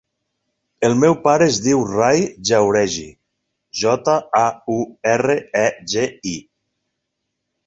El meu pare es diu Rai Jauregi: jota, a, u, erra, e, ge, i.